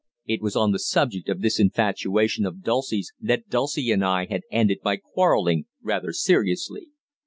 It was on the subject of this infatuation of Dulcie's that Dulcie and I had ended by quarrelling rather seriously.